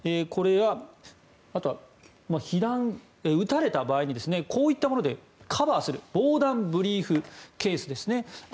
これやあとは被弾、撃たれた場合にこういったものでカバーする防弾ブリーフケースですね